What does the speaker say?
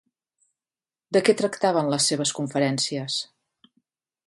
De què tractaven les seves conferències?